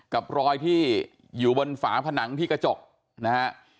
กับรอยที่อยู่บนฝาผนังที่กระจกนะฮะ